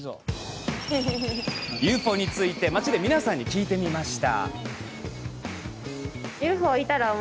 ＵＦＯについて皆さんに聞いてみました。